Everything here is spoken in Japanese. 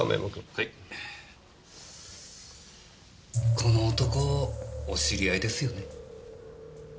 この男お知り合いですよね？